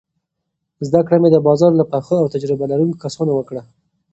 زده کړه مې د بازار له پخو او تجربه لرونکو کسانو وکړه.